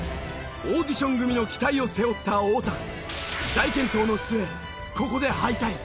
オーディション組の期待を背負った太田大健闘の末ここで敗退。